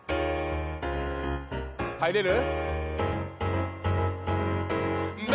入れる？